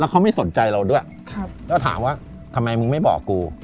เขาไม่สนใจเราด้วยแล้วถามว่าทำไมมึงไม่บอกกู